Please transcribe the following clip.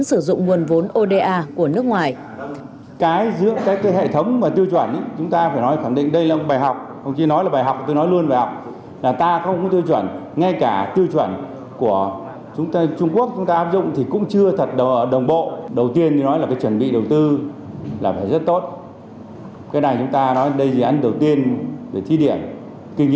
sử dụng nguồn vốn oda của nước ngoài